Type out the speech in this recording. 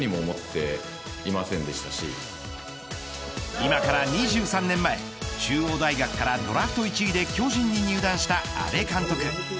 今から２３年前中央大学からドラフト１位で巨人に入団した阿部監督。